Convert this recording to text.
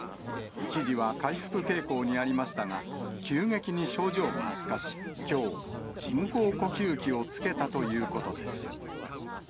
一時は回復傾向にありましたが、急激に症状が悪化し、きょう、人工呼吸器をつけたということです。